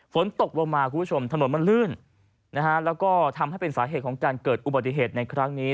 ฝนตกลงมาถนนมันลื่นและทำให้เป็นสาเหตุของการเกิดอุบัติเหตุในครั้งนี้